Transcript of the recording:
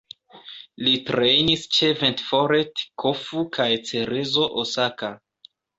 Li trejnis ĉe Ventforet Kofu kaj Cerezo Osaka.